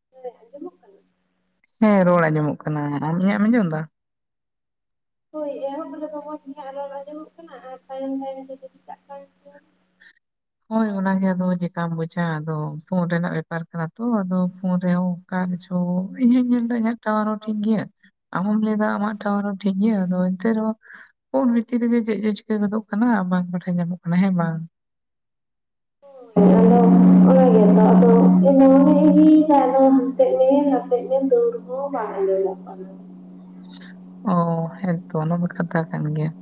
ᱦᱮᱸ ᱟᱸᱡᱚᱢᱚᱜ ᱠᱟᱱᱟ ᱦᱮᱸ ᱨᱚᱲ ᱟᱸᱡᱚᱢᱚᱜ ᱠᱟᱱᱟ᱾ ᱟᱢ ᱤᱧᱟᱹᱜ ᱮᱢ ᱟᱸᱡᱚᱢ ᱫᱟ? ᱦᱳᱭ᱾ ᱮᱦᱚᱵ ᱨᱮᱫᱚ ᱢᱚᱸᱡᱽᱷ ᱜᱮ ᱨᱚᱲ ᱟᱸᱡᱚᱢᱚᱼᱜ ᱠᱟᱱᱟ᱾ ᱟᱨ ᱛᱟᱭᱚᱢ ᱫᱟᱨᱟ ᱛᱮᱫᱚ ᱪᱤᱠᱟᱜ ᱠᱟᱱ ᱪᱚ᱾ ᱦᱳᱭ ᱚᱱᱟᱜᱮ ᱟᱫᱚ ᱪᱮᱠᱟᱢ ᱵᱩᱡᱟ᱾ ᱟᱫᱚ ᱯᱷᱳᱱ ᱨᱮᱱᱟᱜ ᱵᱮᱯᱟᱨ ᱠᱟᱱᱟ ᱾ ᱛᱚ ᱟᱫᱚ ᱯᱷᱳᱱ ᱨᱮᱦᱚᱸ ᱚᱠᱟ ᱪᱚ ᱤᱧᱦᱚᱧ ᱧᱮᱞ ᱫᱟ ᱤᱧᱟᱹᱜ ᱴᱟᱣᱟᱨ ᱦᱚᱸ ᱴᱷᱤᱠ ᱜᱮᱭᱟ᱾ ᱟᱢ ᱦᱚᱸᱢ ᱞᱟᱹᱭ ᱮᱫᱟ᱾ ᱟᱢᱟᱜ ᱴᱟᱶ ᱨᱮᱢ ᱦᱚᱸᱢ ᱴᱷᱤᱠ ᱜᱮᱭᱟ᱾ ᱟᱫᱚ ᱮᱱᱛᱮ ᱨᱮᱦᱚᱸ ᱯᱷᱳᱱ ᱵᱷᱤᱛᱤᱨ ᱨᱮᱜᱮ ᱪᱮᱫ ᱪᱮ ᱪᱤᱠᱟᱹ ᱜᱚᱫᱚᱜ ᱠᱟᱱᱟ᱾ ᱵᱟᱝ ᱵᱟᱰᱟᱭ ᱧᱟᱢᱚ-ᱜ ᱠᱟᱱᱟ᱾ ᱦᱮᱸ ᱵᱟᱝ ᱾ ᱫᱚ [unintelligible] [unintelligible] ᱟᱫᱚ ᱮᱢᱚᱱᱮ ᱤᱫᱤᱭ ᱠᱷᱟᱱᱫᱚ, ᱦᱟᱱᱛᱮ ᱢᱮ ᱱᱟᱛᱮ ᱢᱮ ᱾ ᱫᱟᱹᱲ ᱦᱚᱸ ᱵᱟᱝ ᱫᱟᱹᱲᱟᱜ ᱠᱟᱱᱟ ᱾ ᱚᱸ ᱦᱮᱛᱚ ᱚᱱᱟ ᱫᱚ ᱠᱟᱛᱷᱟ ᱠᱟᱱ ᱜᱮᱭᱟ ᱾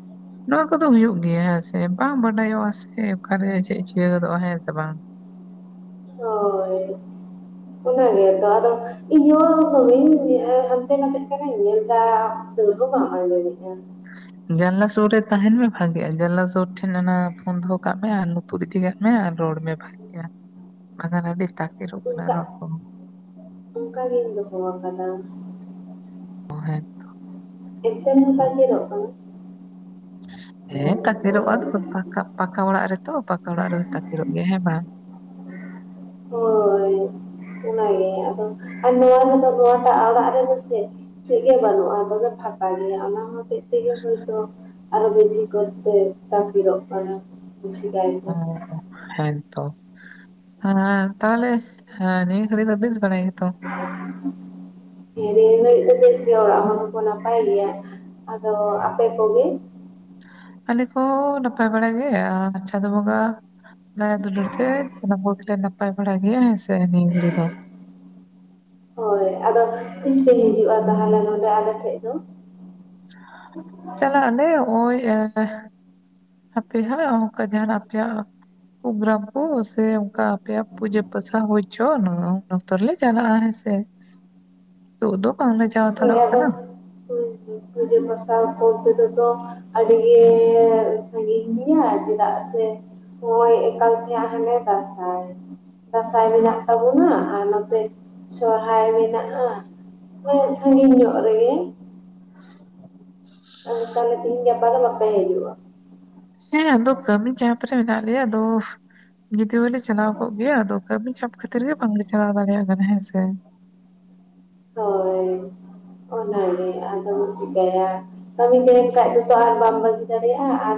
ᱱᱚᱣᱟ ᱠᱚᱼᱫᱚ ᱦᱩᱭᱩᱜ ᱜᱮᱭᱟ᱾ ᱦᱮᱸ ᱥᱮ ᱵᱟᱝ ᱵᱟᱰᱟᱭᱚᱜᱼᱟ᱾ ᱥᱮ ᱚᱠᱟᱨᱮ ᱪᱮᱫ ᱮᱸ ᱪᱤᱠᱟᱹ ᱜᱚᱫᱚᱜᱼᱟ᱾ ᱦᱮᱸ ᱥᱮ ᱵᱟᱝ ᱾ ᱦᱳᱭ [unintelligible] ᱚᱱᱟ ᱜᱮᱛᱚ ᱟᱫᱚ ᱤᱧᱦᱚᱸ ᱫᱚᱢᱤᱧ ᱦᱟᱱᱛᱮ ᱱᱟᱛᱮᱜ ᱠᱟᱱᱟᱧ ᱧᱮᱞᱫᱟ ᱾ ᱛᱟᱶᱨᱮᱦᱚᱸ ᱵᱟᱢ ᱟᱡᱟᱢ ᱫᱟ᱾ ᱡᱟᱱᱟᱞᱟ ᱥᱩᱨ ᱨᱮ ᱛᱟᱦᱮᱸᱱ ᱢᱮ, ᱵᱷᱟᱜᱮᱜᱼᱟ ᱾ ᱡᱟᱱᱞᱟ ᱥᱩᱨ ᱴᱷᱮᱱ ᱚᱱᱟ ᱯᱷᱳᱱ ᱫᱚᱦᱚᱸ ᱠᱟᱜ ᱢᱮ ᱾ ᱟᱨ ᱛᱩᱨᱤ ᱛᱤᱱᱟᱹᱜ ᱢᱮ, ᱟᱨ ᱨᱚᱲ ᱢᱮ ᱵᱷᱟᱜᱮᱼᱭᱟ᱾ ᱵᱟᱝᱠᱷᱟᱱ ᱟᱹᱰᱤ ᱛᱟᱠᱮᱨᱚᱜ ᱠᱟᱱᱟ ᱚᱱᱠᱟ ᱨᱚᱲ ᱠᱚ ᱚᱱᱠᱟ ᱜᱮᱧ ᱫᱚᱦᱚᱸᱣᱟᱠᱟᱫᱟ ᱾ ᱚᱸ ᱦᱮᱛᱚ ᱮ ᱨᱮᱦᱚᱸ ᱛᱟᱠᱮᱨᱚᱜ ᱠᱟᱱᱟ ᱾ ᱦᱮᱸ ᱛᱟᱠᱮᱨᱚᱜᱼᱟ ᱾ ᱯᱟᱠᱟ, ᱯᱟᱠᱟ ᱚᱲᱟᱜ ᱨᱮᱛᱚ ᱯᱟᱠᱟ ᱚᱲᱟᱜ ᱨᱮᱫᱚ ᱛᱟᱠᱮᱨᱚᱜ ᱜᱮᱭᱟ᱾ ᱦᱮᱸ ᱵᱟᱝ ᱾ ᱦᱳᱭ ᱚᱱᱟᱜᱮ, ᱟᱫᱚ ᱟᱨ ᱱᱚᱣᱟ ᱨᱮᱫᱚ ᱱᱚᱣᱟᱴᱟ-ᱜ ᱚᱲᱟᱜ ᱨᱮᱫᱚᱥᱮ ᱾ ᱪᱮᱫ ᱜᱮ ᱵᱟᱹᱱᱩᱜᱼᱟ ᱫᱚᱢᱮ ᱯᱷᱟᱸᱠᱟ ᱜᱮᱭᱟ ᱚᱱᱟ ᱦᱚᱸ ᱛᱮ ᱛᱮᱜᱮ ᱦᱚᱭᱛᱚ ᱟᱨ ᱦᱚ ᱵᱮᱥᱤ ᱠᱚᱛᱮ ᱛᱟᱠᱤᱨᱚᱜ ᱠᱟᱱᱟ ᱾ ᱠᱩᱥᱤ ᱜᱟᱭ ᱛᱮ ᱦᱮ ᱛᱚ ᱮᱸ ᱛᱟᱦᱚᱞᱮ ᱱᱤᱭᱟ ᱜᱷᱟᱨᱤᱡ ᱫᱚ ᱵᱮᱥ ᱵᱟᱲᱟᱭ ᱜᱮ ᱛᱚ? [unintelligible] ᱦᱮᱸ ᱱᱤᱭᱟᱹ ᱜᱷᱟᱹᱲᱤᱡ ᱫᱚ ᱵᱮᱥ ᱜᱮ ᱚᱲᱟᱜ ᱦᱚᱲ ᱦᱚᱸᱠᱚ ᱱᱟᱯᱟᱭ ᱜᱮᱭᱟ ᱾ ᱟᱫᱚ ᱟᱯᱮ ᱠᱚᱜᱮ? ᱟᱞᱮ ᱠᱚ ᱱᱟᱯᱟᱭ ᱵᱟᱲᱟᱜᱮ ᱪᱟᱸᱫᱚ ᱵᱚᱝᱜᱟ ᱫᱟᱭᱟ ᱫᱩᱞᱟᱹᱲ ᱛᱮᱜᱮ ᱥᱟᱱᱟᱢ ᱠᱚᱜᱮ ᱱᱟᱯᱟᱭ ᱵᱟᱲᱟ ᱦᱮᱸ ᱥᱮ ᱱᱤᱭᱟ ᱜᱷᱟᱨᱤᱡ ᱫᱚ ᱾ ᱦᱳᱭ ᱟᱫᱚ ᱛᱤᱥ ᱯᱮ ᱦᱤᱡᱩᱜᱼᱟ ᱛᱟᱦᱚᱞᱮ ᱱᱚᱰᱮ ᱟᱞᱮ ᱴᱷᱮᱡ ᱫᱚ ᱾ ᱪᱟᱞᱟᱜ ᱟᱞᱮ ᱱᱚᱜᱼᱚᱭ᱾ ᱦᱟᱯᱮ ᱦᱟᱸᱜ [inaudible] ᱟᱯᱮᱭᱟᱜ ᱡᱟᱦᱟᱱᱟᱜ ᱯᱨᱳᱜᱨᱟᱢ ᱠᱚ ᱥᱮ ᱚᱱᱠᱟ ᱟᱯᱮᱭᱟᱜ ᱯᱩᱡᱟᱹ ᱯᱟᱥᱟ ᱦᱩᱭᱪᱚ ᱩᱱ ᱚᱠᱛᱚ ᱨᱮᱞᱮ ᱪᱟᱞᱟᱜᱼᱟ ᱦᱮᱸᱥᱮ ᱾ [unintelligible] ᱱᱤᱛᱚᱜ ᱫᱚ ᱵᱟᱝ ᱞᱮ ᱾ ᱦᱳᱭ ᱟᱫᱚ ᱯᱩᱡᱟᱹ ᱯᱟᱥᱟ [unintelligible] ᱾ ᱟᱹᱰᱤ ᱜᱮ ᱥᱟᱺᱜᱤᱧ ᱜᱮᱭᱟ ᱪᱮᱫᱟᱜ ᱥᱮ ᱦᱳᱭ ᱮᱠᱟᱞᱛᱮ ᱟᱞᱮ ᱫᱟᱥᱟᱭ ᱾ ᱫᱟᱸᱥᱟᱭ ᱢᱮᱱᱟᱜ ᱛᱟᱵᱚᱱᱟ ᱟᱨ ᱱᱚᱛᱮ ᱥᱚᱨᱦᱟᱭ ᱢᱮᱱᱟᱜᱼᱟ ᱾ ᱦᱚᱭ ᱥᱟᱺᱜᱤᱧ ᱧᱚᱜ ᱨᱮᱜᱮ ᱾ ᱟᱫᱚ ᱛᱟᱦᱚᱞᱮ ᱛᱤᱦᱤᱧ ᱜᱟᱯᱟ ᱫᱚ ᱵᱟᱯᱮ ᱦᱮᱡᱩᱜᱼᱟ ᱾ ᱦᱮᱸ ᱟᱫᱚ ᱠᱟᱹᱢᱤ ᱪᱟᱯ ᱨᱮ ᱢᱮᱱᱟᱜ ᱞᱮᱭᱟ ᱟᱫᱚ ᱡᱩᱫᱤ ᱦᱚᱞᱮ ᱪᱟᱞᱟᱣ ᱠᱚᱜ ᱜᱮᱭᱟ ᱟᱫᱚ ᱠᱟᱹᱢᱤ ᱪᱟᱯ ᱠᱷᱟᱹᱛᱤᱨ ᱜᱮ ᱵᱟᱝᱞᱮ ᱪᱟᱞᱟᱣ ᱫᱟᱲᱮᱭᱟᱜ ᱠᱟᱱᱟ ᱦᱮᱸ ᱥᱮ ᱾ ᱦᱳᱭ ᱚᱱᱟᱜᱮ ᱟᱫᱚᱢ ᱪᱤᱠᱟᱭᱟ ᱾ ᱠᱟᱹᱢᱤ ᱛᱟᱦᱮᱱ ᱠᱷᱟᱡ ᱫᱚᱛᱚ ᱟᱨ ᱵᱟᱢ ᱵᱟᱹᱜᱤ ᱫᱟᱲᱮᱭᱟᱜᱼᱟ ᱟᱨ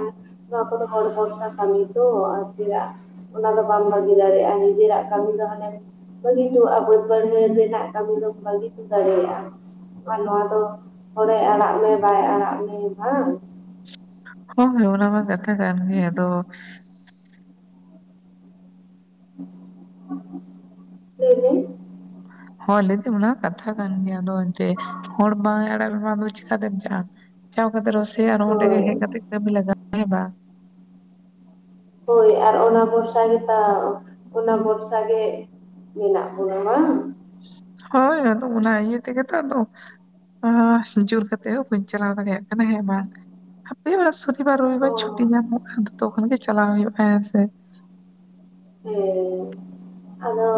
ᱱᱚᱣᱟ ᱠᱚᱫᱚ ᱦᱚᱲ ᱵᱷᱨᱥᱟ ᱠᱟᱹᱢᱤ ᱛᱚ ᱟᱨ ᱛᱮᱭᱟᱜ ᱚᱱᱟ ᱫᱚ ᱵᱟᱢ ᱵᱟᱹᱜᱤ ᱫᱟᱲᱮᱭᱟᱜᱼᱟ, ᱱᱤᱡᱮᱨᱟᱜ ᱠᱟᱹᱢᱤ ᱫᱚ ᱦᱟᱱᱮ᱾ ᱵᱷᱟᱹᱜᱤᱦᱚᱴᱚ ᱟᱵᱚ ᱵᱟᱫᱽ ᱵᱟᱹᱭᱦᱟᱹᱲ ᱨᱮᱱᱟᱜ ᱠᱟᱹᱢᱤ ᱫᱚ ᱵᱷᱟᱹᱜᱤ ᱦᱚ ᱫᱟᱲᱮᱭᱟᱜᱼᱟ ᱾ ᱟᱨ ᱱᱚᱣᱟ ᱫᱚ ᱦᱚᱲᱮ ᱟᱲᱟᱜ ᱢᱮ ᱵᱟᱭ ᱟᱲᱟᱜ ᱢᱮ ᱵᱟᱝ ᱾ ᱦᱳᱭ ᱦᱳ ᱚᱱᱟᱢᱟ ᱠᱟᱛᱷᱟ ᱠᱟᱱ ᱜᱮ ᱟᱫᱚ ᱞᱟᱹᱭ ᱵᱮᱱ ᱦᱚᱭ ᱞᱟᱹᱭᱫᱤᱧ ᱠᱟᱛᱷᱟ ᱠᱟᱱ ᱜᱮᱭᱟ ᱟᱫᱚ ᱮᱱᱛᱮᱫ ᱦᱚᱲ ᱵᱟᱝ ᱟᱲᱟᱜ ᱢᱟ ᱟᱫᱚ ᱪᱤᱠᱟᱛᱮᱢ ᱪᱟᱼᱟ ᱾ ᱪᱟᱶ ᱠᱟᱛᱮ ᱨᱮᱦᱚ ᱥᱮ ᱟᱨ ᱚᱸᱰᱮ ᱦᱳᱭ ᱦᱮᱡ ᱠᱟᱛᱮ ᱠᱟᱹᱢᱤ ᱞᱟᱜᱟᱼᱟ ᱦᱮ ᱵᱟᱝ ᱾ ᱦᱳᱭ ᱟᱨ ᱚᱱᱟ ᱵᱚᱨᱥᱟ ᱜᱮ ᱛᱚ ᱚᱱᱟ ᱵᱚᱨᱥᱟ ᱜᱮ ᱢᱮᱱᱟᱜ ᱵᱚᱱᱟ ᱵᱟᱝ᱾ ᱦᱳᱭ ᱟᱫᱚ ᱚᱱᱟ ᱤᱭᱟᱹ ᱛᱮᱜᱮ ᱛᱚ ᱟᱫ᱾ [inaudible] ᱡᱳᱨ ᱠᱟᱛᱮᱜ ᱦᱚᱸ ᱵᱟᱹᱧ ᱪᱟᱞᱟᱣ ᱫᱟᱲᱮᱭᱟᱜ ᱠᱟᱱᱟ ᱦᱮᱸ ᱵᱟᱝ᱾ [inaudible] ᱥᱚᱱᱤᱵᱟᱨ ᱵᱟᱨ ᱚ ᱨᱚᱵᱤᱟᱨ ᱪᱷᱩᱴᱤ ᱧᱟᱢᱚᱜᱼᱟ ᱛᱚᱠᱷᱚᱱ ᱜᱮ ᱪᱟᱞᱟᱣ ᱦᱩᱭᱩᱜᱼᱟ ᱦᱮᱸ ᱥᱮ᱾ ᱦᱮᱸ ᱟᱫᱚ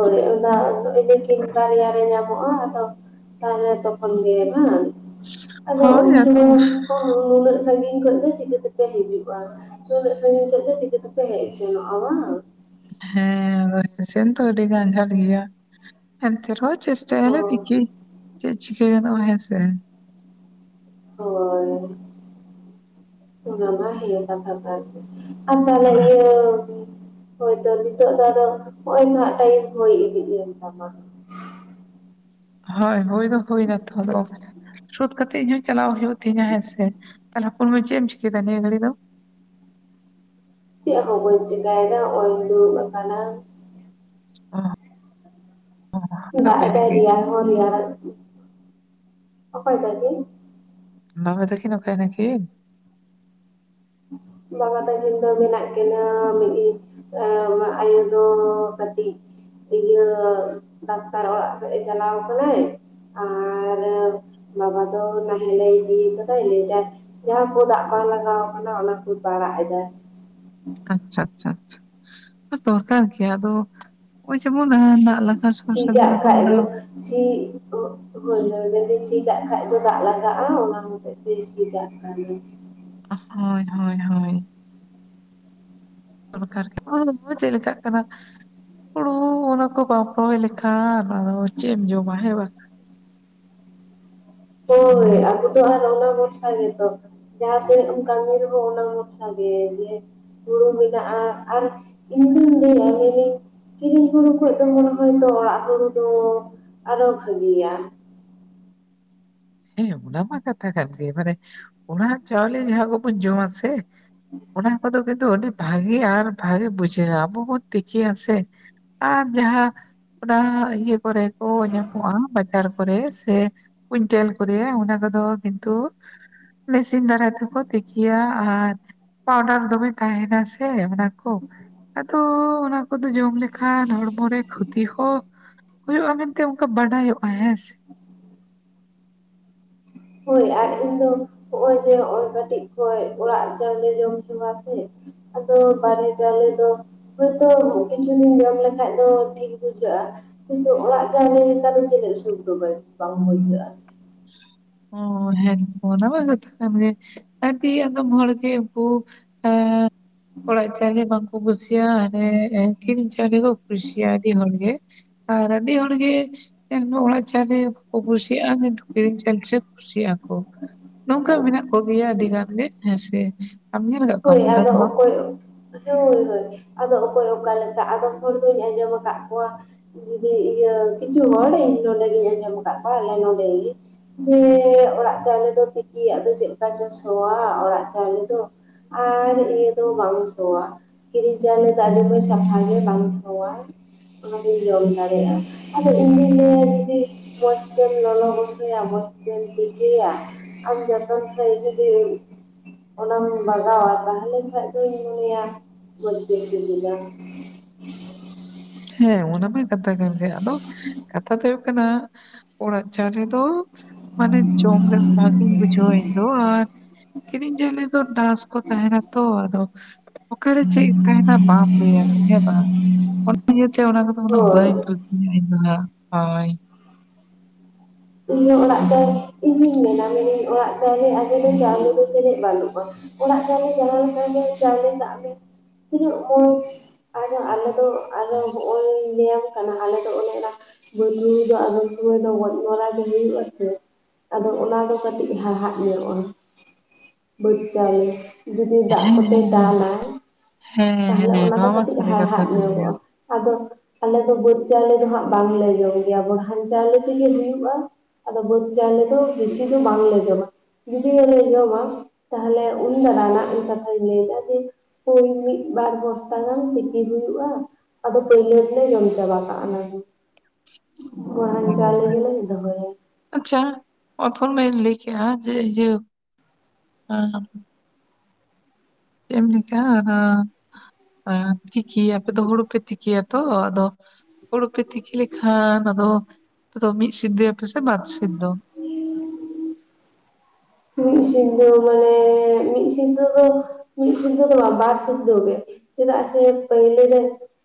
ᱦᱳᱭ ᱚᱱᱟ ᱤᱱᱟᱹ ᱠᱤᱱ ᱵᱟᱨᱭᱟ ᱨᱮ ᱧᱟᱢᱚᱜᱼᱟ ᱟᱫᱚ᱾ ᱛᱟᱦᱚᱞᱮ ᱛᱚᱠᱷᱚᱱ ᱜᱮ ᱵᱟᱝ ᱟᱫᱚ ᱦᱳᱭ ᱩᱱ ᱟᱫᱚ ᱥᱚᱢᱚᱭ᱾ ᱱᱩᱱᱟᱹᱜ ᱥᱟᱺᱜᱤᱧ ᱠᱷᱚᱡ ᱫᱚ ᱪᱤᱠᱟᱹ ᱛᱮᱯᱮ ᱦᱤᱡᱩᱜᱼᱟ᱾ ᱩᱱᱟᱹᱜ ᱥᱟᱸᱹᱜᱤᱧ ᱠᱷᱚᱡ ᱫᱚ ᱪᱤᱠᱟᱹ ᱛᱮᱯᱮ ᱦᱮᱡ ᱥᱮᱱᱚᱜᱼᱟ ᱵᱟᱝ᱾ ᱦᱮᱸ ᱟᱫᱚ ᱥᱮᱱᱛᱚ ᱟᱹᱰᱤᱜᱟᱱ ᱟᱡᱷᱟᱴ ᱜᱮᱭᱟ ᱮᱱᱛᱮ ᱨᱮᱦᱚᱸ ᱾ ᱪᱮᱥᱴᱟᱭᱟᱞᱮ ᱦᱳᱭ ᱫᱮᱠᱷᱤ ᱪᱮᱫ ᱪᱤᱠᱟᱹ ᱜᱟᱱᱚᱜᱼᱟ ᱦᱮᱸᱥᱮ᱾ ᱦᱳᱭ ᱚᱱᱟᱢᱟ ᱦᱮᱸ ᱠᱟᱛᱷᱟ ᱠᱟᱱ᱾ [unintelligible] ᱦᱳᱭᱛᱚ ᱱᱤᱛᱚᱜ ᱫᱚ ᱟᱫᱚ ᱦᱚᱸᱜᱼᱚᱭ ᱱᱟᱜ ᱴᱟᱭᱤᱢ ᱦᱳᱭ ᱤᱫᱤᱜ ᱮᱱ ᱛᱟᱢᱟ ᱦᱳᱭ ᱦᱳᱭ ᱫᱚ ᱦᱳᱭ ᱱᱟᱛᱚ ᱟᱫ ᱥᱳᱫ ᱠᱟᱛᱮᱜ ᱤᱧ ᱦᱚᱸ ᱪᱟᱞᱟᱣ ᱦᱩᱭᱩᱜ ᱛᱤᱧᱟ ᱦᱮᱸᱥᱮ ᱛᱟᱦᱚᱞᱮ ᱦᱚᱯᱚᱱ ᱢᱟᱹᱭ ᱪᱮᱫ ᱮᱢ ᱪᱤᱠᱟᱹᱭᱫᱟ ᱱᱤᱭᱟᱹ ᱜᱷᱟᱹᱲᱤ ᱫᱚᱼᱼ ᱪᱮᱫ ᱦᱚᱸ ᱵᱟᱹᱧ ᱪᱮᱠᱟᱭ ᱮᱫᱟ ᱦᱚᱸᱜᱼᱚᱭ ᱤᱧ ᱫᱩᱲᱩᱵ ᱟᱠᱟᱱᱟ ᱚ ᱫᱟᱜ ᱚᱠᱟᱭ ᱮᱫᱟᱭ ᱱᱟᱠᱤᱱ ᱨᱮᱭᱟᱲ ᱦᱚᱸ ᱨᱮᱭᱟᱲ ᱚᱠᱚᱭ ᱛᱟᱠᱤᱱᱼᱼ ᱵᱟᱵᱟ ᱛᱟᱠᱤᱱ ᱚᱠᱟᱭ ᱱᱟᱠᱤᱱᱼᱼ ᱵᱟᱵᱟ ᱛᱟᱹᱠᱤᱱ ᱫᱚ ᱢᱮᱱᱟᱜ ᱠᱤᱱᱟᱹ [unintelligible] ᱟ ᱢᱟ ᱟᱭᱳ ᱫᱚ ᱠᱟᱹᱴᱤᱡᱼᱼ ᱤᱭᱟᱹ ᱰᱟᱠᱛᱟᱨ ᱚᱲᱟᱜ ᱥᱮᱫ ᱮ ᱪᱟᱞᱟᱣ ᱠᱟᱱᱟᱭ ᱟᱨ ᱵᱟᱵᱟ ᱫᱚ ᱱᱟᱦᱮᱞ ᱮ ᱤᱫᱤ ᱠᱟᱫᱟᱭ ᱞᱟᱹᱭ ᱫᱟᱭ ᱡᱟᱦᱟᱸ ᱠᱚ ᱫᱟᱜ ᱵᱟᱝ ᱞᱟᱜᱟᱣ ᱠᱟᱱᱟ ᱚᱱᱟ ᱠᱚ ᱯᱟᱲᱟᱜ ᱮᱫᱟᱭ ᱟᱪᱪᱷᱟ ᱟᱪᱪᱷᱟ ᱟᱪᱪᱷᱟ ᱫᱚᱨᱠᱟᱨ ᱜᱮ ᱟᱫᱚ ᱦᱚᱸᱜᱼᱚᱭ ᱡᱮᱢᱚᱱ ᱥᱤ ᱠᱟᱜ ᱠᱷᱟᱡ ᱱᱟᱜ [unintelligible] [unintelligible] ᱦᱳᱭ ᱦᱳᱭ ᱡᱚᱫᱤ ᱥᱤ ᱠᱟᱜ ᱠᱷᱟᱡ ᱫᱚ ᱫᱟᱜ ᱞᱟᱜᱟᱜᱼᱟ ᱚᱱᱟ ᱦᱚᱛᱮᱜ ᱛᱮ ᱥᱤ ᱠᱟᱜ ᱠᱷᱟᱱᱮᱼᱼ ᱦᱳᱭ ᱦᱳᱭ ᱦᱳᱭ ᱫᱚᱨᱠᱟᱨ [unintelligible] ᱪᱮᱫ ᱞᱮᱠᱟᱜ ᱠᱟᱱᱟ᱾ ᱦᱳᱲᱳ ᱚᱱᱟ ᱠᱚ ᱵᱟᱢ ᱨᱚᱦᱚᱭ ᱞᱮᱠᱷᱟᱱ ᱟᱫᱚ ᱪᱮᱫ ᱮᱢ ᱡᱚᱢᱟ ᱦᱮᱸ ᱵᱟᱝᱼᱼ ᱦᱳᱭ ᱟᱵᱚ ᱫᱚ ᱟᱨ ᱚᱱᱟ ᱵᱷᱚᱨᱥᱟ ᱜᱮ ᱛᱚ ᱡᱟᱦᱟᱸ ᱛᱤᱱᱟᱹᱜ ᱮᱢ ᱠᱟᱹᱢᱤ ᱨᱮ ᱦᱚᱸ ᱚᱱᱟ ᱵᱷᱚᱨᱥᱟ ᱜᱮ ᱦᱮᱸ ᱦᱩᱲᱩ ᱢᱮᱱᱟᱜᱼᱟ ᱟᱨ ᱤᱧᱫᱩᱧ ᱞᱟᱹᱭᱟ ᱢᱮᱱᱤᱧᱼᱼ ᱠᱤᱨᱤᱧ ᱦᱩᱲᱩ ᱠᱷᱚᱡ ᱫᱚ ᱦᱚᱭᱛᱚ ᱚᱲᱟᱜ ᱦᱩᱲᱩ ᱫᱚ ᱟᱨᱚ ᱵᱷᱟᱹᱜᱤᱭᱟ ᱦᱮᱸ ᱚᱱᱟ ᱢᱟ ᱠᱟᱛᱷᱟ ᱠᱟᱱ ᱜᱮ ᱢᱟᱱᱮ ᱚᱲᱟᱜ ᱪᱟᱣᱞᱮ ᱡᱟᱦᱟᱸ ᱠᱚᱵᱚᱱ ᱡᱚᱢᱟ ᱥᱮᱼᱼ ᱚᱱᱟ ᱠᱚᱫᱚ ᱠᱤᱱᱛᱩ ᱟᱹᱰᱤ ᱵᱷᱟᱜᱤ ᱟᱨ ᱵᱷᱟᱜᱤ ᱵᱩᱡᱷᱟᱹᱜᱼᱟ ᱟᱵᱚ ᱵᱚᱱ ᱛᱤᱠᱤᱭᱟ ᱥᱮ, ᱟᱨ ᱡᱟᱦᱟᱸ ᱚᱱᱟ ᱤᱭᱟᱹ ᱠᱚ ᱨᱮᱼᱼ ᱠᱚ ᱧᱟᱢᱚᱜᱼᱟ ᱵᱟᱡᱟᱨ ᱠᱚᱨᱮ ᱥᱮ ᱠᱩᱭᱤᱱᱴᱮᱞ ᱠᱚᱨᱮ ᱚᱱᱟ ᱠᱚᱫᱚ ᱠᱤᱱᱛᱩᱼᱼ ᱢᱮᱥᱤᱱ ᱫᱟᱨᱟᱭ ᱛᱮ ᱠᱚ ᱛᱤᱠᱤᱭᱟ ᱟᱨ ᱯᱟᱣᱰᱟᱨ ᱫᱚᱢᱮ ᱛᱟᱦᱮᱸᱱᱟ ᱥᱮ ᱢᱟᱱᱮ [unintelligible] ᱟᱫᱚ ᱚᱱᱟᱼᱼ ᱠᱚᱫᱚ ᱡᱚᱢ ᱞᱮᱠᱷᱟᱱ ᱦᱚᱲᱢᱚ ᱨᱮ ᱠᱷᱚᱛᱤ ᱦᱚᱸ ᱦᱩᱭᱩᱜᱼᱟ ᱢᱮᱱᱛᱮ ᱚᱱᱠᱟ ᱵᱟᱰᱟᱭᱚᱜᱼᱟ ᱦᱮᱸᱥᱮ ᱦᱳᱭ ᱟᱨ ᱤᱧ ᱫᱚ ᱦᱚᱸᱜᱼᱚᱭ ᱡᱮ ᱦᱚᱸᱜᱼᱚᱭ ᱡᱮ ᱠᱟᱹᱴᱤᱡ ᱠᱷᱚᱡ ᱚᱲᱟᱜ ᱪᱟᱣᱞᱮ ᱡᱚᱢ ᱦᱮᱣᱟ ᱥᱮᱼᱼ ᱟᱫᱚ ᱵᱟᱦᱨᱮ ᱪᱟᱣᱞᱮ ᱫᱚᱼᱼ ᱦᱳᱭᱛᱳ ᱠᱤᱪᱷᱩ ᱫᱤᱱ ᱡᱚᱢ ᱞᱮᱠᱷᱟᱡ ᱫᱚ ᱴᱷᱤᱠ ᱵᱩᱡᱷᱟᱹᱜᱼᱟ ᱠᱤᱱᱛᱩ ᱚᱲᱟᱜ ᱪᱟᱣᱞᱮ ᱞᱮᱠᱟ ᱫᱚ ᱡᱟᱹᱱᱤᱡ ᱥᱩᱠ ᱫᱚ ᱵᱟᱝ ᱵᱩᱡᱷᱟᱹᱜᱼᱟ ᱚ ᱦᱮᱸ ᱛᱚ ᱚᱱᱟᱢᱟ ᱠᱟᱛᱷᱟ ᱠᱟᱱ ᱜᱮ ᱟᱫᱤ ᱟᱫᱚᱢ ᱦᱚᱲ ᱜᱮ ᱩᱱᱠᱩ ᱮᱸ ᱚᱲᱟᱜᱼᱼ ᱪᱟᱣᱞᱮ ᱵᱟᱝ ᱠᱚ ᱠᱩᱥᱤᱭᱟ ᱦᱟᱱᱮ ᱠᱤᱨᱤᱧ ᱪᱟᱣᱞᱮ ᱠᱚ ᱠᱩᱥᱤᱭᱟ ᱟᱹᱰᱤ ᱦᱚᱲ ᱜᱮᱼᱼ ᱟᱨ ᱟᱹᱰᱤ ᱦᱚᱲ ᱜᱮ ᱧᱮᱞ ᱢᱮ ᱚᱲᱟᱜ ᱪᱟᱣᱞᱮ ᱵᱟᱠᱚ ᱠᱩᱥᱤᱭᱟᱜᱼᱟ ᱠᱤᱱᱛᱩ ᱠᱤᱨᱤᱧ [inaudible] ᱠᱩᱥᱤᱜᱼᱟ ᱠᱚ ᱱᱚᱝᱠᱟ ᱢᱮᱱᱟᱜ ᱠᱚᱜᱮᱭᱟ ᱟᱹᱰᱤ ᱜᱟᱱ ᱜᱮ ᱦᱮᱸᱥᱮ ᱦᱳᱭ ᱟᱫᱚ ᱚᱠᱚᱭᱼᱼ ᱦᱳᱭ ᱦᱳᱭ ᱟᱫᱚ ᱚᱠᱚᱭ ᱚᱠᱟ ᱞᱮᱠᱟ ᱟᱫᱚᱢ ᱦᱚᱲ ᱫᱚᱧ ᱟᱸᱡᱚᱢ ᱟᱠᱟᱫ ᱠᱚᱣᱟ ᱡᱩᱫᱤ ᱤᱭᱟᱹ ᱠᱤᱪᱷᱩ ᱦᱚᱲ ᱤᱧ ᱱᱚᱰᱮ ᱜᱤᱧ ᱟᱸᱡᱚᱢ ᱟᱠᱟᱫ ᱠᱚᱣᱟ ᱟᱞᱮ ᱱᱚᱰᱮ ᱜᱤ ᱡᱮ ᱚᱲᱟᱜ ᱪᱟᱣᱞᱮ ᱫᱚ ᱛᱤᱠᱤ ᱟᱫᱚ ᱪᱮᱫᱠᱟ ᱪᱚ ᱥᱚᱣᱟ ᱚᱲᱟᱜ ᱪᱟᱣᱞᱮ ᱫᱚᱼᱼᱼ ᱟᱨ ᱤᱭᱟᱹ ᱫᱚ ᱵᱟᱝ ᱥᱚᱣᱟ ᱠᱤᱨᱤᱧ ᱪᱟᱣᱞᱮ ᱫᱚ ᱟᱹᱰᱤ ᱢᱚᱸᱡᱽ ᱥᱟᱯᱟᱜ ᱜᱮ ᱵᱟᱝ ᱥᱚᱣᱟ ᱚᱱᱟ ᱵᱤᱱ ᱡᱚᱢ ᱫᱟᱲᱮᱭᱟᱜᱼᱟ ᱾ ᱟᱫᱚ ᱤᱧᱫᱚᱧ ᱞᱟᱹᱭᱟ ᱡᱩᱫᱤ ᱢᱚᱡᱛᱮᱢ ᱞᱚᱞᱚ ᱜᱚᱥᱚᱭᱟ ᱢᱚᱡᱛᱮᱢ ᱛᱤᱠᱤᱭᱟ ᱾ ᱟᱢ ᱡᱚᱛᱚᱱ ᱠᱷᱟᱡ ᱡᱩᱫᱤ [inaudible] ᱚᱱᱟᱢ ᱵᱟᱜᱟᱣᱟ ᱛᱟᱦᱞᱮ ᱠᱷᱟᱱ ᱫᱚᱧ ᱢᱚᱱᱮᱭᱟ ᱢᱚᱡ ᱜᱤ ᱥᱤᱵᱤᱞᱟ ᱾ ᱦᱮᱸ ᱚᱱᱟᱢᱟ ᱠᱟᱛᱷᱟ ᱠᱟᱱ ᱜᱮ ᱾ ᱟᱫᱚ ᱠᱟᱛᱷᱟ ᱫᱚ ᱦᱩᱭᱩᱜ ᱠᱟᱱᱟ ᱚᱲᱟᱜ ᱪᱟᱣᱞᱮ ᱫᱚ ᱢᱟᱱᱮ ᱡᱚᱢ ᱨᱮᱦᱚᱸ ᱢᱚᱸᱡᱽᱤᱧ ᱵᱩᱡᱷᱟᱹᱣᱟ ᱤᱧ ᱫᱚ ᱟᱨ ᱠᱤᱨᱤᱧ ᱪᱟᱣᱞᱮ ᱫᱚ ᱰᱟᱥ ᱠᱚ ᱛᱟᱦᱮᱱᱟ ᱛᱚ, ᱟᱫᱚ ᱚᱠᱟᱨᱮ ᱪᱮᱫ ᱛᱟᱦᱮᱱᱟ ᱵᱟᱢ ᱞᱟᱹᱭᱟ ᱦᱮᱸ ᱵᱟᱝ ᱾ ᱤᱭᱟᱹᱛᱮ ᱚᱱᱟ ᱠᱚᱫᱚ ᱩᱱᱟᱹᱜ ᱦᱳᱭ ᱵᱟᱹᱧ ᱠᱩᱥᱤᱭ ᱫᱚ ᱦᱳᱭ ᱾ ᱤᱧ ᱦᱚᱸ ᱚᱲᱟᱜ ᱫᱚ ᱤᱧ ᱦᱚᱸᱧ ᱢᱮᱱᱟ ᱢᱮᱱᱟᱹᱧ ᱚᱲᱟᱜ ᱫᱮ ᱟᱞᱮ ᱫᱚ ᱪᱟᱣᱞᱮ ᱫᱚ ᱪᱮᱫ ᱵᱟᱹᱱᱩᱜᱼᱟ ᱾ ᱚᱲᱟᱜ ᱪᱟᱣᱞᱮ ᱡᱟᱦᱟᱸ ᱞᱮᱠᱟ ᱜᱮ ᱪᱟᱣᱞᱮ ᱠᱟᱜ ᱢᱮ ᱛᱤᱱᱟᱹᱜ ᱢᱚᱡᱽ ᱟᱫᱚ ᱟᱞᱮᱫᱚ ᱟᱫᱚ ᱦᱚᱜᱼᱚᱭ ᱞᱟᱭᱟᱢ ᱠᱟᱱᱟ ᱟᱞᱮ ᱫᱚ ᱚᱱᱮ ᱚᱱᱟ ᱵᱟᱞᱩ ᱫᱚ ᱟᱥᱣᱟ ᱫᱚ ᱜᱚᱡ ᱢᱚᱨᱟ ᱜᱤ ᱦᱩᱭᱩᱜᱼᱟ ᱥᱮ ᱟᱫᱚ ᱚᱱᱟ ᱫᱚ ᱠᱟᱹᱴᱤᱡ ᱦᱟᱲᱦᱟᱜ ᱧᱚᱜᱼᱟ ᱾ [inaudible] ᱵᱟᱹᱫᱽ ᱪᱟᱣᱞᱮ ᱾ ᱡᱩᱫᱤ ᱫᱟᱜ ᱦᱮᱸ ᱠᱚᱛᱮᱭ ᱦᱮᱸ ᱫᱟᱞᱟ ᱦᱮᱸ [inaudible] ᱛᱟᱦᱚᱞᱮ ᱦᱮᱸ ᱦᱮᱸ ᱚᱱᱟ ᱫᱚ ᱱᱚᱣᱟ ᱢᱟ ᱠᱟᱹᱴᱤᱡ ᱥᱟᱹᱨᱤ ᱠᱟᱛᱷᱟ ᱦᱟᱲᱦᱟᱫ ᱠᱟᱱ ᱜᱮᱭᱟ ᱧᱚᱜᱚᱜᱼᱟ ᱾ ᱟᱫᱚ ᱟᱞᱮᱫ ᱫᱚ ᱵᱟᱹᱫᱽ ᱪᱟᱣᱞᱮ ᱫᱚ ᱦᱟᱸᱜ ᱵᱟᱝᱞᱮ ᱡᱚᱢ ᱜᱮᱭᱟ ᱵᱚᱨᱦᱟᱱ ᱪᱟᱣᱞᱮ ᱛᱮᱜᱮ ᱦᱩᱭᱩᱜᱼᱟ ᱾ ᱟᱫᱚ ᱵᱟᱹᱫᱽ ᱪᱟᱣᱞᱮ ᱫᱚ ᱵᱮᱥᱤ ᱫᱚ ᱵᱟᱝᱞᱮ ᱡᱚᱢᱟ ᱾ ᱡᱩᱫᱤᱳᱞᱮ ᱡᱚᱢᱟ ᱛᱟᱦᱞᱮ [unintelligible] ᱢᱤᱫ ᱠᱟᱛᱷᱟᱧ ᱞᱟᱹᱭ ᱮᱫᱟ ᱡᱮ ᱳᱭ ᱢᱤᱫ ᱵᱟᱨ ᱵᱚᱥᱛᱟ ᱜᱟᱱ ᱛᱤᱠᱤ ᱦᱩᱭᱩᱜᱼᱟ ᱾ ᱟᱫᱚ ᱯᱟᱹᱭᱞᱟᱹ ᱛᱮᱞᱮ ᱡᱚᱢ ᱪᱟᱵᱟ ᱠᱟᱜᱼᱟ ᱚᱱᱟ ᱜᱮ ᱾ [inaudible] ᱵᱚᱨᱦᱟᱱ ᱪᱟᱣᱞᱮ ᱦᱳᱭ ᱜᱮᱞᱮ ᱫᱚᱦᱚᱭᱟ ᱾ ᱟᱪᱪᱷᱟ [unintelligible] ᱢᱮ ᱞᱟᱹᱭ ᱠᱮᱜᱼᱟ ᱡᱮ ᱤᱭᱟᱹ [inaudible] ᱟᱸ ᱪᱮᱫ ᱮᱢ ᱞᱟᱹᱭ ᱠᱮᱜᱼᱟ ᱚᱱᱟᱻ [inaudible] ᱛᱤᱠᱤ ᱟᱯᱮ ᱫᱚ ᱦᱩᱲᱩ ᱯᱮ ᱛᱤᱠᱤᱭᱟ ᱛᱚ ᱟᱫᱚ ᱦᱩᱲᱩ ᱯᱮ ᱛᱤᱠᱤ ᱞᱮᱠᱷᱟᱱ ᱟᱫᱚ ᱟᱯᱮ ᱫᱚ ᱢᱤᱫ ᱥᱤᱫᱽᱫᱚᱭᱟᱯᱮ ᱥᱮ ᱵᱟᱨ ᱥᱤᱫᱽᱫᱚ? ᱢᱤᱫ ᱥᱤᱫᱽᱫᱚ ᱢᱟᱱᱮ ᱢᱤᱫ ᱥᱤᱫᱽᱫᱚ ᱫᱚ ᱢᱤᱫ ᱥᱤᱫᱽᱫᱚ ᱫᱚ ᱵᱟᱝ ᱵᱟᱨ ᱥᱤᱫᱽᱫᱚ ᱜᱮ ᱾ ᱪᱮᱫᱟᱜ ᱥᱮ ᱯᱟᱹᱭᱞᱟ. ᱨᱮ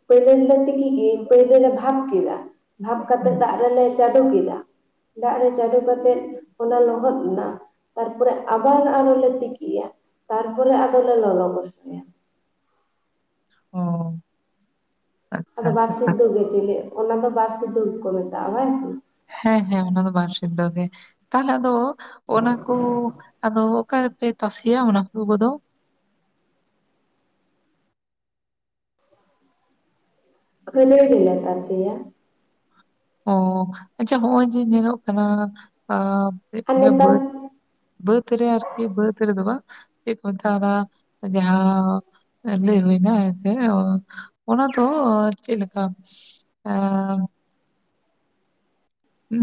ᱯᱟᱹᱭᱨᱮᱞᱮ ᱛᱤᱠᱤ ᱜᱤ ᱯᱟᱹᱭᱞᱟᱹ ᱞᱮ ᱵᱷᱟᱵᱽ ᱠᱮᱫᱟ ᱾ ᱵᱷᱟᱵᱽ ᱠᱟᱛᱮᱜ ᱦᱮᱸ ᱫᱟᱜ ᱨᱮᱞᱮ ᱪᱟᱰᱳ ᱠᱮᱫᱟ [inaudible] ᱫᱟᱜ ᱨᱮ ᱪᱟᱰᱳ ᱠᱟᱛᱮᱫ ᱚᱱᱟ ᱞᱚᱦᱚᱫ ᱮᱱᱟ ᱾ ᱛᱟᱨᱯᱚᱨᱮ ᱟᱵᱟᱨ ᱟᱨᱚᱞᱮ ᱛᱤᱠᱤᱭᱟ ᱛᱟᱨᱯᱚᱨᱮ ᱟᱫᱚᱞᱮ ᱞᱚᱞᱚ ᱜᱚᱥᱚᱭᱟ ᱾ ᱚᱻ ᱟᱫᱚ ᱵᱟᱨ ᱥᱤᱫᱽᱫᱚ ᱜᱮ ᱪᱤᱞᱤᱜ, ᱚᱱᱟ ᱫᱚ ᱵᱟᱨ ᱥᱤᱫᱽᱫᱚ ᱜᱮ ᱠᱚ ᱢᱮᱛᱟᱜᱼᱟ ᱵᱟᱝ? ᱦᱮᱸ ᱦᱮᱸ ᱚᱱᱟ ᱫᱚ ᱵᱟᱨ ᱥᱤᱫᱽᱫᱚ ᱜᱮ ᱾ ᱛᱟᱦᱚᱞᱮ ᱟᱫᱚ ᱚᱱᱟ ᱠᱚ ᱟᱫᱚ ᱚᱠᱮ ᱨᱮᱯᱮ ᱛᱟᱥᱮᱭᱟ ᱚᱱᱟ ᱠᱚ [unintelligible] ᱫᱚ? ᱠᱷᱟᱹᱨᱟᱭ ᱨᱮᱞᱮ ᱛᱟᱥᱮᱭᱟ ᱾ ᱚᱻ ᱟᱪᱪᱷᱟ ᱦᱚᱜᱼᱚᱭ ᱡᱮ ᱧᱮᱞᱚᱜ ᱠᱟᱱᱟ ᱟᱻ ᱟᱨ ᱤᱱᱟᱹ ᱱᱮᱛᱟᱨ ᱵᱟᱹᱫᱽ ᱵᱟᱹᱫᱽ ᱨᱮ ᱟᱨᱠᱤ ᱵᱟᱹᱫᱽ ᱨᱮ ᱫᱚ ᱵᱟᱝ ᱪᱮᱫ ᱠᱚ ᱢᱮᱛᱟᱜᱼᱟ ᱚᱱᱟ ᱡᱟᱦᱟᱸ ᱞᱟᱹᱭ ᱦᱩᱭ ᱮᱱᱟ ᱦᱮᱸᱥᱮ ᱚᱱᱟ ᱫᱚ ᱪᱮᱫ ᱞᱮᱠᱟ [unintelligible]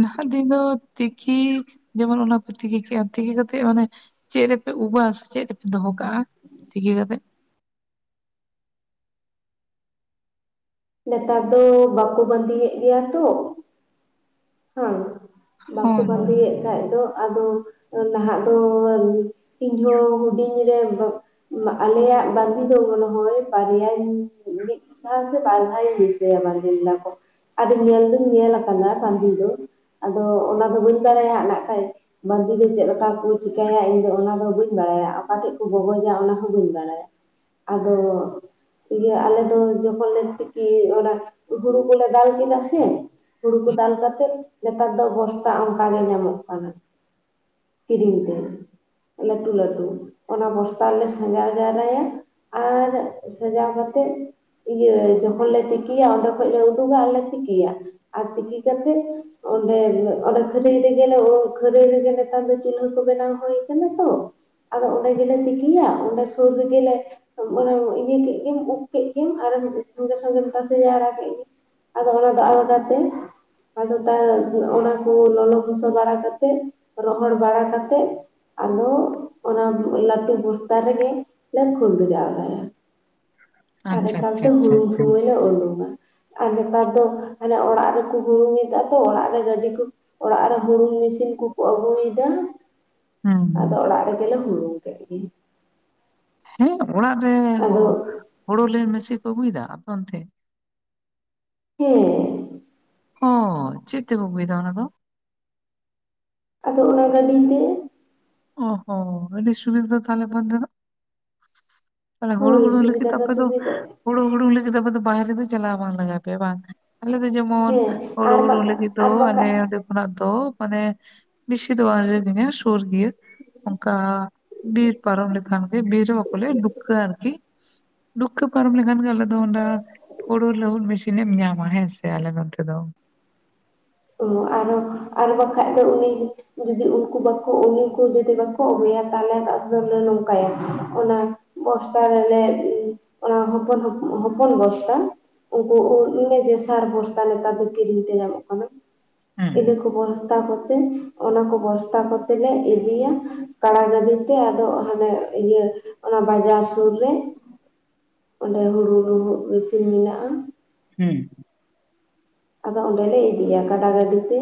ᱱᱟᱦᱟᱜ ᱫᱤᱱ ᱫᱚ ᱛᱤᱠᱤ ᱡᱮᱢᱚᱱ ᱚᱱᱟ ᱠᱚᱮ ᱛᱤᱠᱤ ᱠᱮᱜᱼᱟ ᱛᱤᱠᱤ ᱠᱟᱛᱮᱜ ᱢᱟᱱᱮ ᱪᱮᱫ ᱨᱮᱯᱮ ᱩᱵᱟ ᱥᱮ ᱪᱮᱫ ᱨᱮᱯᱮ ᱫᱚᱦᱚ ᱠᱟᱜᱼᱟ ᱛᱤᱠᱤ ᱠᱟᱛᱮᱜ? ᱱᱮᱛᱟᱨ ᱫᱚ ᱵᱟᱠᱚ ᱵᱟᱸᱫᱮᱭᱮᱫ ᱜᱮᱭᱟ ᱛᱚ ᱾ [inaudible] ᱦᱟᱝ ᱾ ᱵᱟᱠᱚ ᱦᱳᱭ ᱦᱳᱭ ᱵᱟᱸᱫᱮᱭᱮᱫ ᱠᱷᱟᱡ ᱫᱚ ᱟᱫᱚ ᱱᱟᱦᱟᱜ ᱫᱚᱻ ᱤᱧᱦᱚ ᱦᱩᱰᱤᱧ ᱨᱮ [unintelligible] ᱟᱞᱮᱭᱟᱜ ᱵᱟᱱᱫᱤ ᱫᱚᱦᱚ ᱱᱚᱦᱚᱭ ᱵᱟᱨᱭᱟ ᱢᱤᱫ ᱫᱷᱟᱣ ᱥᱮ ᱯᱟᱨᱦᱟᱭ ᱫᱤᱥᱟᱭᱟ ᱵᱟᱸᱫᱤ ᱞᱮᱫᱟ ᱠᱚ ᱟᱫᱚ ᱧᱮᱞ ᱫᱚᱧ ᱧᱮᱞ ᱠᱟᱫᱟ ᱵᱟᱸᱫᱤ ᱫᱚ᱾ ᱟᱫᱚ ᱚᱱᱟ ᱫᱚ ᱵᱟᱹᱧ ᱵᱟᱲᱟᱭᱟ ᱦᱟᱸᱜ ᱱᱟᱜ ᱠᱷᱟᱡ ᱵᱟᱸᱫᱤ ᱫᱚ ᱪᱮᱫ ᱞᱮᱠᱟ ᱠᱚ ᱪᱤᱠᱟᱹᱭᱟ ᱤᱧ ᱫᱚ ᱚᱱᱟ ᱫᱚ ᱵᱟᱹᱧ ᱵᱟᱲᱟᱭᱟ ᱚᱠᱟᱴᱷᱮᱱ ᱠᱚ ᱜᱚᱜᱚᱡᱟ ᱚᱱᱟ ᱦᱚᱸ ᱵᱟᱹᱧ ᱵᱟᱲᱟᱭᱟ᱾ ᱟᱫᱚ ᱤᱭᱟᱹ ᱟᱞᱮ ᱫᱚ ᱡᱚᱠᱷᱚᱱ ᱞᱮ ᱠᱤ ᱚᱱᱟ ᱦᱩᱲᱩ ᱠᱚᱞᱮ ᱫᱟᱞ ᱠᱮᱫᱟ ᱥᱮ ᱦᱩᱲᱩ ᱠᱚ ᱫᱟᱞ ᱠᱟᱛᱮᱫ ᱱᱮᱛᱟᱨ ᱫᱚ ᱵᱚᱥᱛᱟ ᱚᱱᱠᱟ ᱜᱮ ᱧᱟᱢᱚᱜ ᱠᱟᱱᱟ᱾ ᱠᱤᱨᱤᱧ ᱛᱮ᱾ ᱞᱟᱹᱴᱩ ᱞᱟᱹᱴᱩ ᱚᱱᱟ ᱵᱚᱥᱛᱟ ᱨᱮᱞᱮ ᱥᱟᱡᱟᱣ ᱡᱟᱣᱨᱟᱭᱟ᱾ ᱟᱨ ᱥᱟᱡᱟᱣ ᱠᱟᱛᱮᱫ ᱤᱭᱟᱹ ᱡᱚ- ᱵᱚᱞᱮ ᱛᱤᱠᱤᱭᱟ ᱚᱸᱰᱮ ᱠᱷᱚᱡᱞᱮ ᱩᱰᱩᱠᱟ ᱟᱨᱞᱮ ᱛᱤᱠᱤᱭᱟ ᱟᱨ ᱛᱤᱠᱤ ᱠᱟᱛᱮᱫ ᱚᱸᱰᱮ ᱚᱸᱰᱮ ᱠᱷᱟᱹᱨᱟᱹᱭ ᱨᱮᱜᱮ ᱠᱷᱟᱹᱨᱟᱹᱭ ᱨᱮᱜᱮ ᱱᱮᱛᱟᱨ ᱫᱚ ᱪᱩᱞᱦᱟᱹ ᱠᱚ ᱵᱮᱱᱟᱣ ᱦᱩᱭ ᱠᱟᱱᱟ ᱛᱚ᱾ ᱟᱫᱚ ᱚᱸᱰᱮ ᱜᱮᱞᱮ ᱛᱤᱠᱤᱭᱟ ᱚᱸᱰᱮ ᱥᱩᱨ ᱨᱮᱜᱮᱞᱮ ᱚᱱᱟ ᱤᱭᱟᱹ ᱠᱮᱫ ᱜᱤᱢ ᱩᱵ ᱠᱮᱫ ᱜᱮᱢ ᱟᱨ ᱮᱢ ᱥᱚᱸᱜᱮ-ᱥᱚᱸᱜᱮᱢ ᱛᱟᱥᱮ ᱡᱟᱣᱨᱟ ᱠᱮᱫ ᱜᱮ ᱟᱫᱚ ᱚᱱᱟ ᱟᱞᱟᱫᱟᱛᱮ᱾ ᱟᱫᱚ ᱛᱟᱣ ᱚᱱᱟ ᱠᱩ ᱞᱚᱞᱚ ᱜᱚᱥᱚ ᱵᱟᱲᱟ ᱠᱟᱛᱮᱫ ᱨᱚᱦᱚᱲ ᱵᱟᱲᱟ ᱠᱟᱛᱮᱫ ᱟᱫᱚ ᱚᱱᱟ ᱞᱟᱹᱴᱩ ᱵᱚᱥᱛᱟ ᱨᱮᱜᱮ ᱞᱮ ᱠᱷᱩᱞᱰᱩ ᱡᱟᱣᱨᱟᱭᱟ ᱟᱨ ᱟᱪᱪᱷᱟ ᱟᱪᱪᱷᱟ ᱮᱠᱟᱞᱛᱮ ᱟᱪᱪᱷᱟ ᱦᱩᱲᱩ- ᱟᱪᱪᱷᱟ ᱞᱮ ᱩᱰᱩᱝᱟ ᱟᱨ ᱱᱮᱛᱟᱨ ᱫᱚ ᱦᱟᱱᱮ ᱚᱲᱟᱜ ᱨᱮᱠᱚ ᱦᱩᱲᱩᱝ ᱮᱫᱟ ᱛᱚ ᱚᱲᱟᱜ ᱨᱮ ᱜᱟᱹᱰᱤ ᱠᱚ ᱚᱲᱟᱜ ᱨᱮ ᱦᱩᱲᱩᱝ ᱢᱤᱥᱤᱱ ᱠᱩᱠᱩ ᱟᱹᱜᱩᱭ ᱮᱫᱟ᱾ ᱟᱫᱚ ᱦᱩᱸ ᱚᱲᱟᱜ ᱨᱮᱜᱮᱞᱮ ᱦᱩᱲᱩᱝ ᱠᱮᱫ ᱜᱤ᱾ ᱦᱮᱸ ᱚᱲᱟᱜ ᱨᱮ ᱟᱫᱚ ᱦᱳᱲᱳᱞᱮ ᱢᱮᱥᱤ ᱠᱚ ᱟᱹᱜᱩᱭ ᱮᱫᱟ ᱟᱯᱮ ᱚᱱᱛᱮ᱾ ᱦᱮᱸ ᱦᱚᱸ ᱪᱮᱫ ᱛᱮᱠᱚ ᱟᱹᱜᱩᱭ ᱮᱫᱟ ᱚᱱᱟ ᱫᱚ᱾ ᱟᱫᱚ ᱚᱱᱟ ᱜᱟᱹᱰᱤ ᱛᱮ᱾ ᱚ ᱦᱚᱸ ᱟᱹᱰᱤ ᱥᱩᱵᱤᱫᱷᱟ ᱫᱚ ᱛᱟᱦᱚᱞᱮ ᱵᱚᱱᱫᱮ ᱫᱚ᱾ ᱛᱟᱦᱚᱞᱮ ᱦᱩᱲᱩ ᱦᱳᱭ ᱦᱩᱲᱩᱝ ᱞᱟᱹᱜᱤᱫ ᱥᱩᱵᱤᱫᱷᱟ ᱫᱚ ᱟᱯᱮ ᱫᱚ ᱥᱩᱵᱤᱫᱷᱟ ᱦᱩᱲᱩ ᱦᱩᱲᱩᱝ ᱞᱟᱹᱜᱤᱫ ᱫᱚ ᱟᱯᱮ ᱫᱚ ᱵᱟᱦᱨᱮ ᱫᱚ ᱪᱟᱞᱟᱣ ᱵᱟᱝ ᱞᱟᱜᱟᱣ ᱯᱮᱭᱟ ᱵᱟᱝ᱾ ᱟᱞᱮ ᱫᱚ ᱡᱮᱢᱚᱱ ᱦᱮᱸ ᱦᱳᱲᱳ ᱟᱨ ᱦᱩᱲᱩᱝ ᱵᱟᱠᱷᱟᱡ ᱞᱟᱹᱜᱤᱫ ᱫᱚ ᱟᱨ ᱟᱞᱮ ᱵᱟᱠᱷᱟᱡ ᱚᱸᱰᱮ ᱠᱷᱚᱱᱟᱜ ᱫᱚ ᱢᱟᱱᱮ ᱵᱤᱥᱤ ᱫᱚ ᱵᱟᱝ ᱥᱟᱺᱜᱤᱧᱟ ᱥᱩᱨ ᱜᱮᱭᱟ᱾ ᱠᱟ ᱵᱤᱨ ᱯᱚᱨᱚᱢ ᱞᱮᱠᱷᱟᱱ ᱜᱮ ᱵᱤᱨ ᱵᱟᱠᱚ ᱞᱟᱹᱭᱟ ᱰᱩᱯᱠᱟᱹ ᱟᱨᱠᱤ᱾ ᱰᱩᱯᱠᱟᱹ ᱯᱟᱨᱚᱢ ᱞᱮᱠᱷᱟᱱ ᱜᱮ ᱟᱞᱮ ᱫᱚ ᱚᱸᱰᱟ ᱦᱩᱲᱩ ᱞᱟᱹᱦᱩᱫ ᱢᱮᱥᱤᱱ ᱮᱢ ᱧᱟᱢᱟ ᱦᱮᱸᱥᱮ ᱟᱞᱮ ᱱᱚᱱᱚᱛᱮ ᱫᱚ᱾ ᱳ ᱟᱨᱚ ᱟᱨ ᱵᱟᱠᱷᱟᱡ ᱫᱚ ᱩᱱᱤ ᱡᱩᱫᱤ ᱩᱱᱠᱩ ᱵᱟᱠᱚ ᱩᱱᱤᱠᱩ ᱡᱩᱫᱤ ᱵᱟᱠᱚ ᱟᱹᱜᱩᱭᱟ ᱛᱟᱦᱚᱞᱮ ᱫᱟᱜ ᱫᱚᱞᱮ ᱱᱚᱝᱠᱟᱭᱟ᱾ ᱚᱱᱟ ᱵᱚᱥᱛᱟ ᱨᱮᱞᱮ ᱚᱱᱟ ᱦᱚᱯᱚᱱ ᱦᱚᱯᱚᱱ ᱵᱚᱥᱛᱟ ᱩᱱᱠᱩ ᱩᱫᱞᱮ ᱡᱮᱥᱟᱨ ᱵᱚᱥᱛᱟ ᱱᱮᱛᱟᱨ ᱫᱚ ᱠᱤᱨᱤᱧ ᱛᱮ ᱧᱟᱢᱚᱜ ᱠᱟᱱᱟ᱾ ᱤᱱᱟᱹ ᱦᱩᱸ ᱠᱚ ᱵᱚᱥᱛᱟ ᱠᱚᱛᱮ ᱚᱱᱟ ᱠᱚ ᱵᱚᱥᱛᱟ ᱠᱟᱛᱮ ᱞᱮ ᱤᱫᱤᱭᱟ ᱠᱟᱲᱟ ᱜᱟᱹᱰᱤ ᱛᱮ, ᱟᱫᱚ ᱚᱱᱮᱞᱮ ᱤᱭᱟᱹ ᱚᱱᱟ ᱵᱟᱡᱟᱨ ᱥᱩᱨ ᱨᱮ ᱚᱸᱰᱮ ᱦᱩᱲᱩ ᱨᱩᱦᱩᱜ ᱢᱤᱥᱤᱱ ᱢᱮᱱᱟᱜ-ᱟ᱾ ᱦᱩᱸ ᱟᱫᱚ ᱚᱸᱰᱮᱞᱮ ᱤᱫᱤᱭᱟ ᱠᱟᱰᱟ ᱜᱟᱹᱰᱤ ᱛᱮ᱾